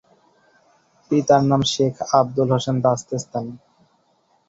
পিতার নাম শেখ আব্দুল হোসেন দাস্তেস্তানি।